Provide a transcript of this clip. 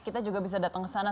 kita juga bisa datang ke sana